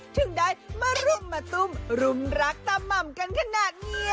ถึงได้มารุมมาตุ้มรุมรักตาม่ำกันขนาดนี้